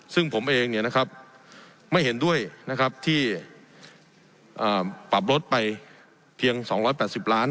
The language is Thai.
ซึ่งผมเองไม่เห็นด้วยนะครับที่ปรับลดไปเพียง๒๘๐ล้าน